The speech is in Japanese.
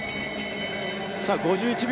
５１秒。